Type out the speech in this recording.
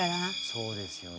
そうですよね。